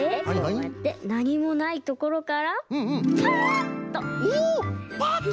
こうやってなにもないところからパッと！